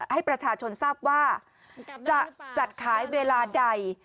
ให้ประชาชนทราบว่าจะจัดขายเวลาใด